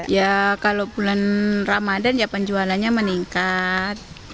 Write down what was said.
ya kalau bulan ramadhan ya penjualannya meningkat